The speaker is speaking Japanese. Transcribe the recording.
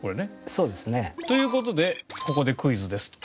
そうですね。という事でここでクイズですと。